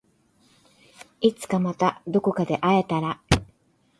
いつかまたどこかで会えたら